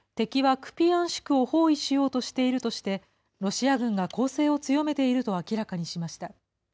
敵はクピヤンシクを包囲しようとしているとして、ロシア軍が攻勢を強めていると明らかにしました。